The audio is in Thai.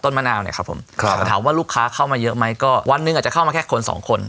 มะนาวเนี่ยครับผมครับแต่ถามว่าลูกค้าเข้ามาเยอะไหมก็วันหนึ่งอาจจะเข้ามาแค่คนสองคน